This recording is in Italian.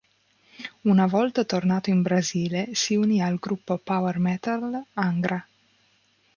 Una volta tornato in Brasile, si unì al gruppo power metal Angra.